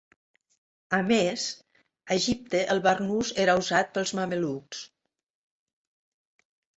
A més, a Egipte el barnús era usat pels mamelucs.